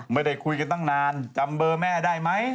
ไม่ได้คุยกันตั้งนานจำเบอร์แม่ได้ไหม